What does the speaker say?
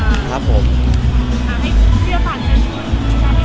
ทุกคนเจอกันยังว่ะ